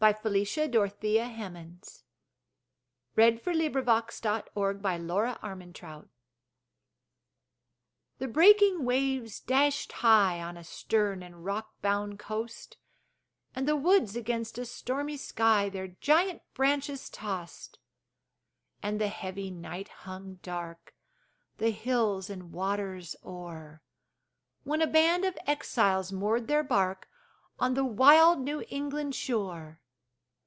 Felicia Dorothea Hemans Landing of the Pilgrims THE breaking waves dashed high, On a stern and rock bound coast, And the woods against a stormy sky Their giant branches tossed; And the heavy night hung dark The hills and waters o'er, When a band of exiles moored their bark On the wild New England shore.